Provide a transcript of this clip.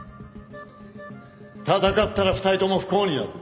戦ったら２人とも不幸になる。